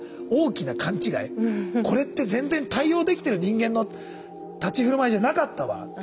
これって全然対応できてる人間の立ち居振る舞いじゃなかったわって。